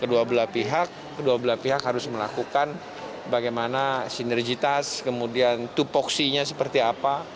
kedua belah pihak harus melakukan bagaimana sinergitas kemudian tupoksinya seperti apa